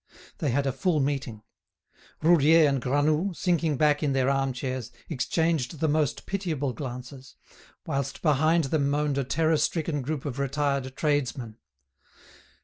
They had a full meeting. Roudier and Granoux, sinking back in their arm chairs, exchanged the most pitiable glances, whilst behind them moaned a terror stricken group of retired tradesmen.